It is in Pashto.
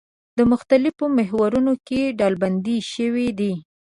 د مختلفو محورونو کې ډلبندي شوي دي.